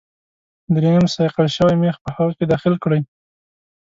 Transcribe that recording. دریم صیقل شوی میخ په هغه کې داخل کړئ.